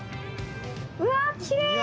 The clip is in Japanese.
うわきれい！